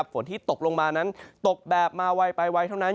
ฝนที่ตกลงมานั้นตกแบบมาไวไปไวเท่านั้น